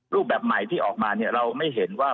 รูปแบบใหม่ที่ออกมาเนี่ยเราไม่เห็นว่า